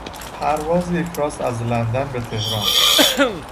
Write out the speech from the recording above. پرواز یک راست از لندن به تهران